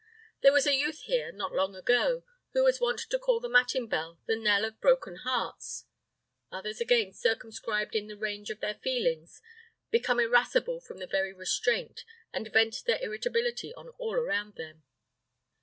There was a youth here, not long ago, who was wont to call the matin bell the knell of broken hearts. Others, again, circumscribed in the range of their feelings, become irascible from the very restraint, and vent their irritability on all around them."